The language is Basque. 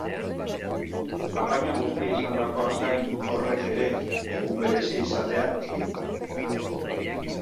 Kanpaina guztia izandakoaz gain, horrek ere egun berezia izatea egin du.